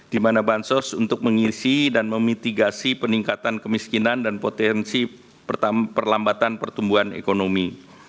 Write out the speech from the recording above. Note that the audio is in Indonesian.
di mana bansos untuk mengisi dan memitigasi peningkatan kemiskinan dan potensi perlambatan pertumbuhan ekonomi